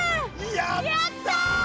やった！